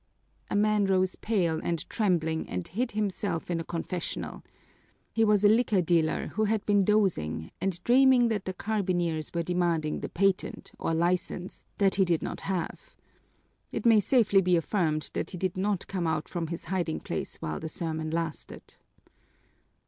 A man rose pale and trembling and hid himself in a confessional. He was a liquor dealer who had been dozing and dreaming that the carbineers were demanding the patent, or license, that he did not have. It may safely be affirmed that he did not come out from his hiding place while the sermon lasted.